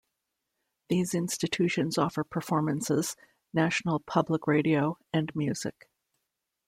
These institutions offer performances, National Public Radio, and music.